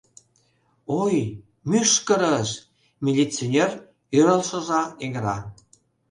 — Ой, мӱшкырыш! — милиционер йӧрлшыжла эҥыра.